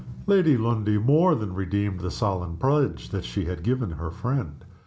Lady Lundie more than redeemed the solemn pledge that she had given to her friend.